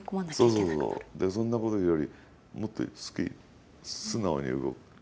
そんなことよりもっと好きに素直に動く。